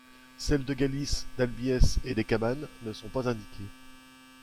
Celles de Galis, d'Albiès et des Cabannes ne sont pas indiquées.